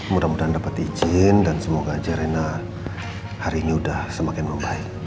mudah mudahan dapet izin dan semoga aja rena hari ini udah semakin membaik